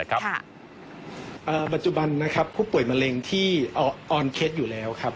ปัจจุบันผู้ป่วยมะเร็งที่ออนเคสอยู่แล้ว